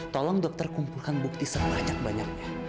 tolong dokter kumpulkan bukti sebanyak banyaknya